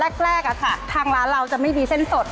อ่าแรกอะค่ะทางร้านเราจะไม่มีเส้นสด